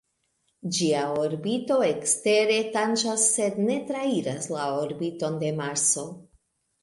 Ĝia orbito ekstere tanĝas sed ne trairas la orbiton de Marso.